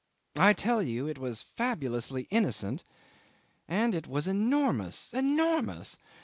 I tell you it was fabulously innocent and it was enormous, enormous!